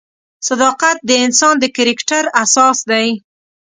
صداقت د انسان د کرکټر اساس دی.